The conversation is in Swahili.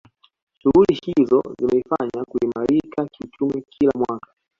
Shughuli hizo zimeifanya kuimarika kiuchumi kila mwaka